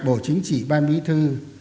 bộ chính trị ban bí thư